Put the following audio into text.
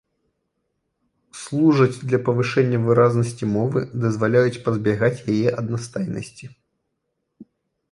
Служаць для павышэння выразнасці мовы, дазваляюць пазбягаць яе аднастайнасці.